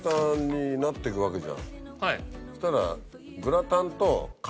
そしたら。